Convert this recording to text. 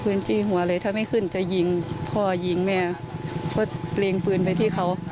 ปืนจี้หัวเลยถ้าไม่ขึ้นจะยิงพอยิงแม่ก็เปลงปืนไปที่เขา